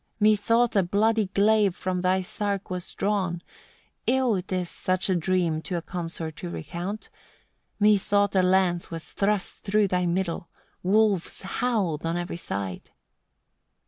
23. "Methought a bloody glave from thy sark was drawn ill 'tis such a dream to a consort to recount methought a lance was thrust through thy middle: wolves howled on every side."